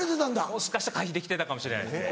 もしかしたら回避できてたかもしれないですね。